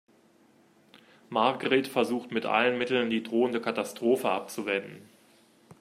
Margret versucht mit allen Mitteln, die drohende Katastrophe abzuwenden.